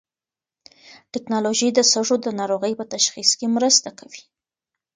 ټېکنالوژي د سږو د ناروغۍ په تشخیص کې مرسته کوي.